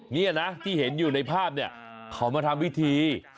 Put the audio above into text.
นี่นะที่เห็นอยู่ในภาพเนี่ยเขามาทำพิธี